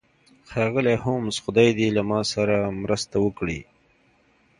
ښاغلی هولمز خدای دې له ما سره مرسته وکړي